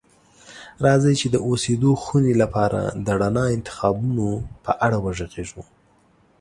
راځئ چې د اوسیدو خونې لپاره د رڼا انتخابونو په اړه وغږیږو.